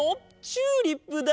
チューリップだ！